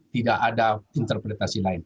tidak ada interpretasi lain